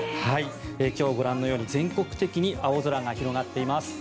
今日はご覧のように全国的に青空が広がっています。